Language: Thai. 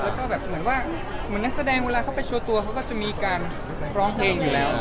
แล้วก็แบบเหมือนว่าเหมือนนักแสดงเวลาเขาไปโชว์ตัวเขาก็จะมีการร้องเพลงอยู่แล้ว